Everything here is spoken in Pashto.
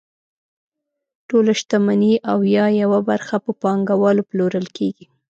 ټوله شتمني او یا یوه برخه په پانګوالو پلورل کیږي.